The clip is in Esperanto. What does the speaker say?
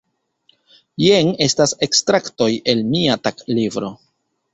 Jen estas ekstraktoj el mia taglibro.